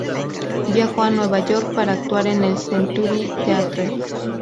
Viajó a Nueva York para actuar en el Century Theatre.